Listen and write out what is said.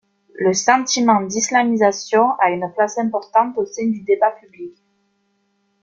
Le sentiment d'islamisation a une place importante au sein du débat public.